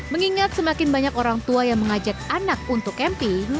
mengingat semakin banyak orang tua yang mengajak anak untuk camping